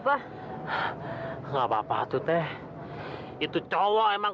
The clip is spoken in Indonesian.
kurang ajar berani beraninya nyakitin